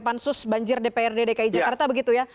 pansus banjir dprd dki jakarta